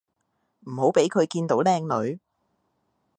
唔好畀佢見到靚女